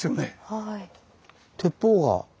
はい。